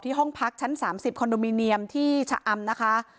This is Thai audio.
ห้องพักชั้น๓๐คอนโดมิเนียมที่ชะอำนะคะ